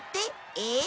えっ？